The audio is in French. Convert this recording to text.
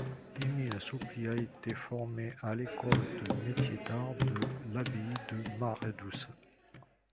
Émile Souply a été formé à l'École de Métiers d'Art de l'Abbaye de Maredsous.